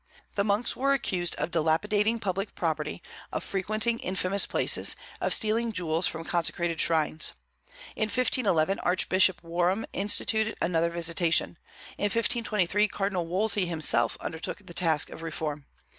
The monks were accused of dilapidating public property, of frequenting infamous places, of stealing jewels from consecrated shrines. In 1511, Archbishop Warham instituted another visitation. In 1523 Cardinal Wolsey himself undertook the task of reform.